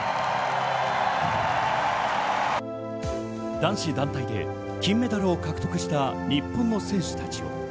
男子団体で金メダルを獲得した日本の選手たち。